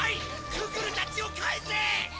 ククルたちを返せ！